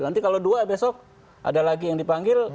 nanti kalau dua besok ada lagi yang dipanggil